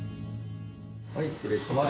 はい失礼します。